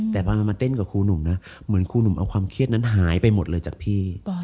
แต่พอมาเต้นกับครูหนุ่มนะเหมือนครูหนุ่มเอาความเครียดนั้นหายไปหมดเลยจากพี่